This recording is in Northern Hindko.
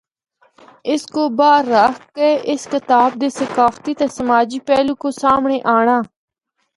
اس کو باہر رکھ کہ اس کتاب دی ثقافتی تے سماجی پہلو کو سامنڑے آنڑاں۔